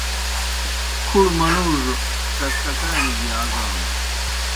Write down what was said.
کُھڑوْ منُوڙوْ ٹکٹکانیْ گیْ یازانو۔